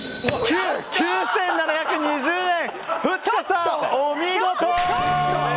９７２０円！